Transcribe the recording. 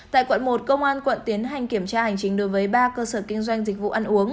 tại quận một công an quận tiến hành kiểm tra hành chính đối với ba cơ sở kinh doanh dịch vụ ăn uống